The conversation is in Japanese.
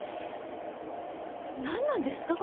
なんなんですか！？